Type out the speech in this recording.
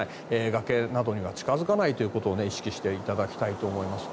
崖などには近付かないということを意識していただきたいと思います。